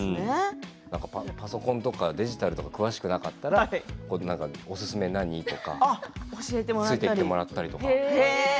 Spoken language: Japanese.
パソコンとかデジタルとか詳しくなくておすすめ何？とかついてきてもらったりとか。